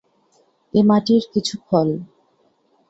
এ মাটির কিছু ফল।